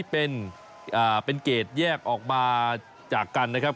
เป็นเกรดแยกออกมาจากกันนะครับ